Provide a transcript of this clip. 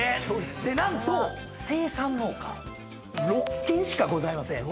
で何と生産農家６軒しかございません。